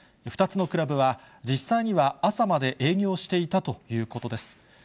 ２つのクラブは、実際には朝まで営業していたということです。